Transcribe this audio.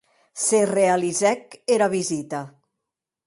Se realizèc era visita.